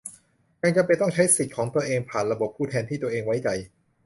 ยังจำเป็นต้องใช้สิทธิ์ของตัวเองผ่านระบบผู้แทนที่ตัวเองไว้ใจ